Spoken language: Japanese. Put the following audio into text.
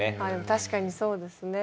確かにそうですね。